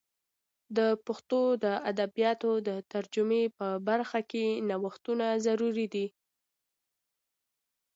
د پښتو د ادبیاتو د ترجمې په برخه کې نوښتونه ضروري دي.